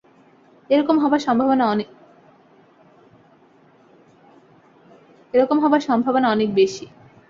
এ রকম হবার সম্ভাবনা অনেক বেশি।